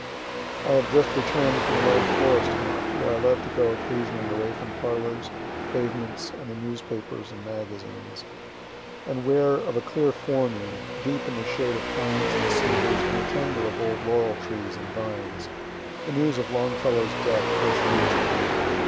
I have just return'd from an old forest haunt, where I love to go occasionally away from parlors, pavements, and the newspapers and magazines and where, of a clear forenoon, deep in the shade of pines and cedars and a tangle of old laurel trees and vines, the news of Longfellow's death first reach'd me.